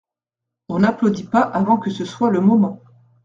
On n’applaudit pas avant que ce soit le moment.